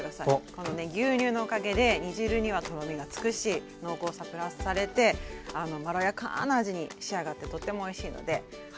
このね牛乳のおかげで煮汁にはとろみがつくし濃厚さプラスされてまろやかな味に仕上がってとってもおいしいので。